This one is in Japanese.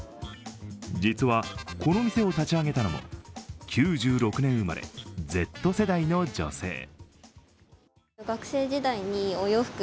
実はこの店を立ち上げたのも９６年生まれ、Ｚ世代の女性。